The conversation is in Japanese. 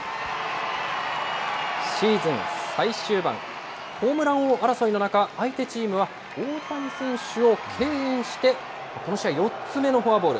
シーズン最終盤、ホームラン王争いの中、相手チームは、大谷選手を敬遠して、この試合４つ目のフォアボール。